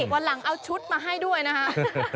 วันหลังเอาชุดมาให้ด้วยนะคะ